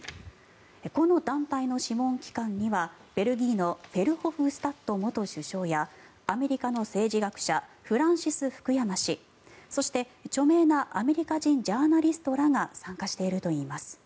この団体の諮問機関にはベルギーのフェルホフスタット元首相やアメリカの政治学者フランシス・フクヤマ氏そして、著名なアメリカ人ジャーナリストらが参加しているといいます。